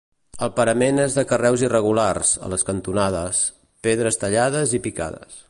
El parament és de carreus irregulars, a les cantonades, pedres tallades i picades.